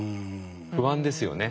不安ですよね